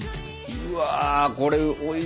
うわ。